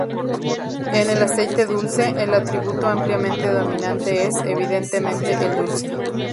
En el aceite dulce, el atributo ampliamente dominante es, evidentemente, el dulce.